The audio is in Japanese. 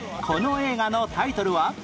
この映画のタイトルは？